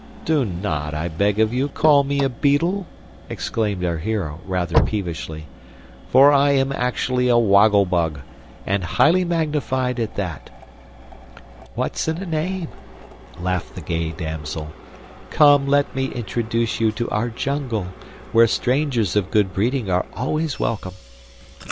"Do not, I beg of you, call me a beetle," exclaimed our hero, rather peevishly; "for I am actually a Woggle Bug, and Highly Magnified at that!" "What's in a name?" laughed the gay damsel. "Come, let me introduce you to our jungle, where strangers of good breeding are always welcome."